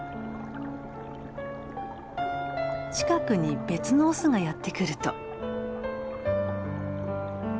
近くに別のオスがやってくると。